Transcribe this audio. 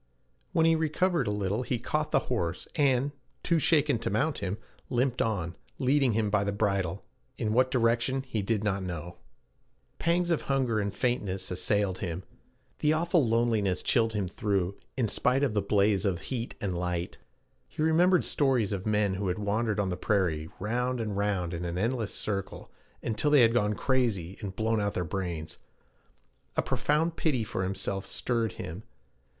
When he recovered a little, he caught the horse, and, too shaken to mount him, limped on, leading him by the bridle, in what direction he did not know. Pangs of hunger and faintness assailed him. The awful loneliness chilled him through in spite of the blaze of heat and light. He remembered stories of men who had wandered on the prairie, round and round in an endless circle, until they had gone crazy and blown out their brains. A profound pity for himself stirred him.